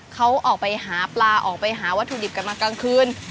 เขาออกไปหาปลาออกไปหาวัตถุดิบกันมากลางคืน